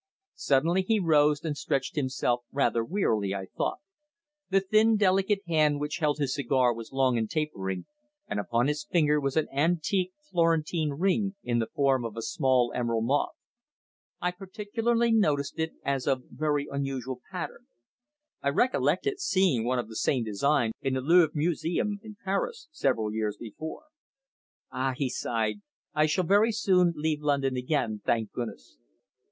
Suddenly he rose and stretched himself rather wearily, I thought. The thin, delicate hand which held his cigar was long and tapering, and upon his finger was an antique Florentine ring in the form of a small emerald moth. I particularly noticed it as of very unusual pattern. I recollected seeing one of the same design in the Louvre Museum in Paris several years before. "Ah!" he sighed. "I shall very soon leave London again thank goodness!